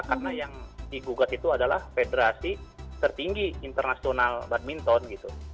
karena yang digugat itu adalah federasi tertinggi internasional badminton gitu